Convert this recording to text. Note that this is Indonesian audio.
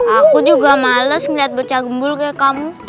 aku juga males liat bocah gembul kayak kamu